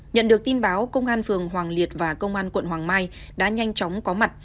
nhận được tin báo công an phường hoàng liệt và công an quận hoàng mai đã nhanh chóng có mặt